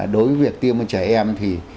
đối với việc tiêm cho trẻ em thì